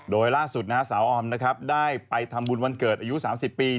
โดยล่าสุดนะฮะสาวออมนะครับได้ไปทำบุญวันเกิดอายุ๓๐ปี